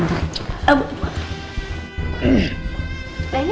ibu lagi ke thailand nanti